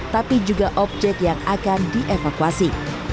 tapi juga objek yang akan dievakuasi